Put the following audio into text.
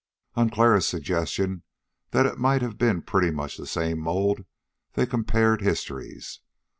On Clara's suggestion that it might have been pretty much the same mold, they compared histories.